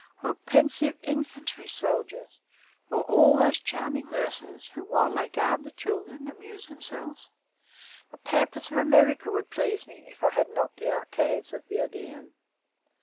O pensive infantry soldiers! O all those charming nurses who, while they guard the children, amuse themselves! The pampas of America would please me if I had not the arcades of the Odéon.